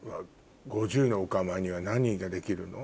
５０のオカマには何ができるの？